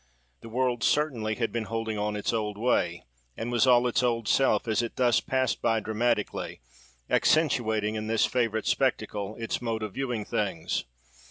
The world, certainly, had been holding on its old way, and was all its old self, as it thus passed by dramatically, accentuating, in this favourite spectacle, its mode of viewing things.